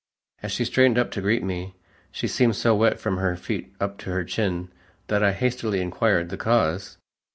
As she straightened up to greet me, she seemed so wet from her feet up to her chin, that I hastily inquired the cause.